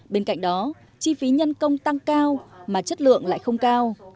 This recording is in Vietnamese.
bên cạnh đó chi phí nhân công tăng cao mà chất lượng lại không cao